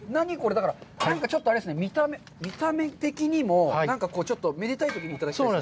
だからちょっとあれですね、見た目的にも何か、ちょっとめでたいときに食べたいですね。